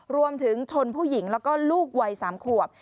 รวมถึงชนผู้หญิงแล้วก็ลูกวัย๓ขวบ